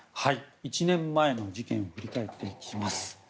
１年前の事件を振り返っていきます。